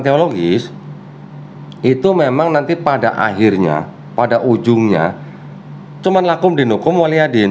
teologis itu memang nanti pada akhirnya pada ujungnya cuman lakum dinukum waliyadin